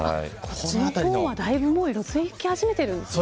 こちらの方はだいぶ色づき始めてるんですね。